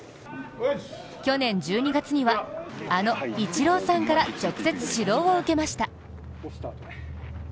去年１２月には、あのイチローさんから直接、指導を受けました。